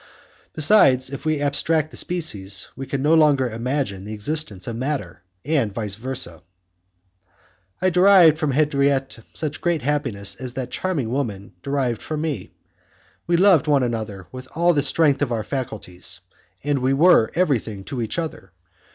Besides, if we abstract the species, we can no longer imagine the existence of matter, and vice versa. I derived from Henriette as great happiness as that charming woman derived from me. We loved one another with all the strength of our faculties, and we were everything to each other.